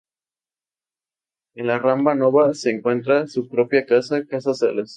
En la Rambla Nova se encuentra su propia casa, Casa Salas.